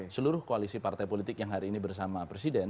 seluruh koalisi partai politik yang hari ini bersama presiden